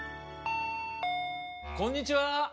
・・こんにちは。